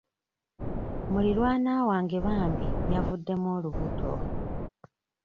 Muliraanwa wange bambi yavuddemu olubuto.